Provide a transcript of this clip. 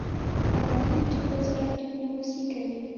بهرنیو چارو وزارت ډیپلوماسي کوي